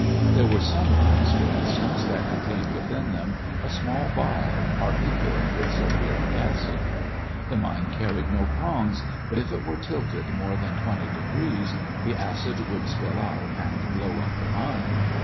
There were some mines, for instance, that contained within them a small vial partly filled with sulphuric acid. The mine carried no prongs, but if it were tilted more than twenty degrees the acid would spill out and blow up the mine.